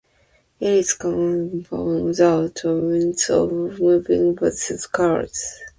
It is commonly performed out of windows of moving buses and cars.